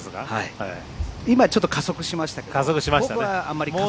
今、ちょっと加速しましたけど。